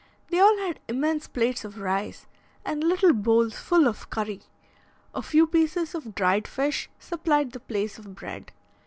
They all had immense plates of rice, and little bowls full of curry; a few pieces of dried fish supplied the place of bread.